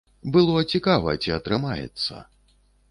Было цікава, ці атрымаецца.